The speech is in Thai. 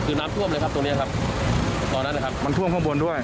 คือน้ำท่วมเลยครับตรงเนี้ยครับตอนนั้นนะครับมันท่วมข้างบนด้วย